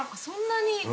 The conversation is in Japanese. そんなに？